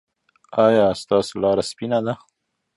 ایا ستاسو لاره سپینه ده؟